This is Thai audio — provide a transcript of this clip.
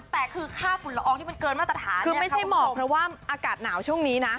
แต่คือค่าฝุ่นละอองที่มันเกินมาตรฐานคือไม่ใช่หมอกเพราะว่าอากาศหนาวช่วงนี้นะ